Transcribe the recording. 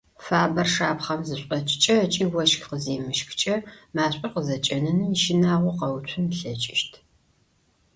Фабэр шапхъэм зышӏокӏыкӏэ ыкӏи ощх къыземыщхыкӏэ машӏор къызэкӏэнэным ищынагъо къэуцун ылъэкӏыщт.